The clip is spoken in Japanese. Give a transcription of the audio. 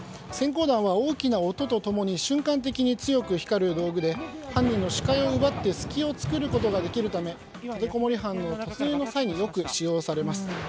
閃光弾は大きな音と共に瞬間的に強く光る道具で犯人の視界を奪って隙を作ることができるため立てこもり犯の突入の際によく使用されます。